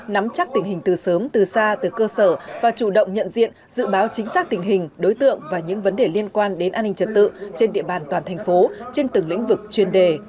nắm chắc tình hình từ sớm từ xa từ cơ sở và chủ động nhận diện dự báo chính xác tình hình đối tượng và những vấn đề liên quan đến an ninh trật tự trên địa bàn toàn thành phố trên từng lĩnh vực chuyên đề